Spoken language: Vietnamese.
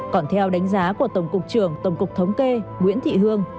còn theo đánh giá của tổng cục trưởng tổng cục thống kê nguyễn thị hương